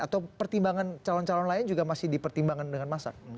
atau pertimbangan calon calon lain juga masih dipertimbangkan dengan masak